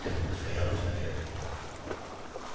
山路の部屋で。